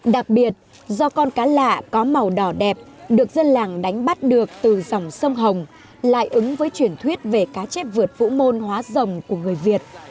đặc biệt do con cá lạ có màu đỏ đẹp được dân làng đánh bắt được từ dòng sông hồng lại ứng với truyền thuyết về cá chép vượt vũ môn hóa rồng của người việt